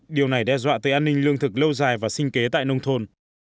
điều này đe dọa tới an ninh lương thực lâu dài và sinh kế tại nông thôn